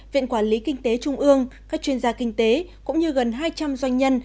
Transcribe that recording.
viện quản lý kinh tế trung ương các chuyên gia kinh tế cũng như gần hai trăm linh doanh nhân